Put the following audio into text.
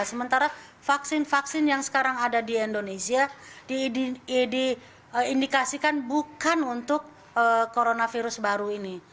sementara vaksin vaksin yang sekarang ada di indonesia diindikasikan bukan untuk coronavirus baru ini